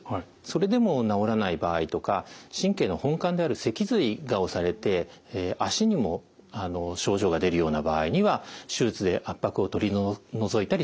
それでも治らない場合とか神経の本管である脊髄が押されて足にも症状が出るような場合には手術で圧迫を取り除いたりします。